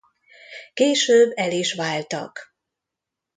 Később el is váltak.